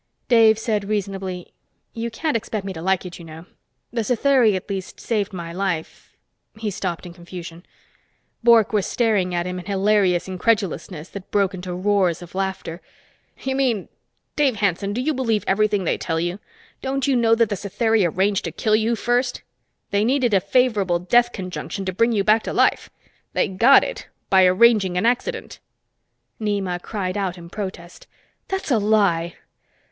Dave said reasonably, "You can't expect me to like it, you know. The Satheri, at least, saved my life " He stopped in confusion. Bork was staring at him in hilarious incredulousness that broke into roars of laughter. "You mean ... Dave Hanson, do you believe everything they tell you? Don't you know that the Satheri arranged to kill you first? They needed a favorable death conjunction to bring you back to life; they got it by arranging an accident!" Nema cried out in protest. "That's a lie!"